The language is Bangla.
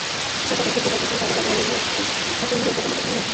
গতকাল শুক্রবার দুপুরে তাঁকে রাজবাড়ীর মুখ্য বিচারিক হাকিমের আদালতে পাঠানো হয়েছে।